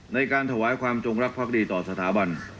ในการถวายความจงรักภักดีต่อสถาบัน